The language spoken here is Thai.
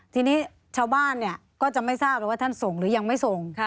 ทีนี้ชาวบ้านก็จะไม่ทราบว่าท่านส่งหรือยังไม่ส่ง